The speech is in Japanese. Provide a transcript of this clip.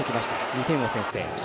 ２点を先制。